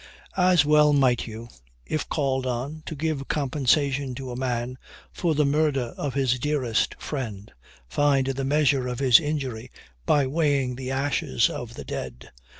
As well might you, if called on to give compensation to a man for the murder of his dearest friend, find the measure of his injury by weighing the ashes of the dead.